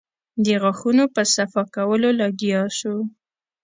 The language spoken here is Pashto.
د غاښونو په صفا کولو لگيا سو.